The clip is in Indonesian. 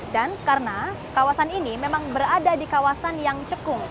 dan karena kawasan ini memang berada di kawasan yang cekung